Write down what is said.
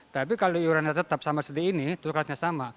tapi kalau iorannya tetap sama seperti ini terus kelasnya sama